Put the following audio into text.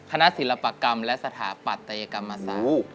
คณะศิลปกรรมและสถาปัตยกรรมอาศักดิ์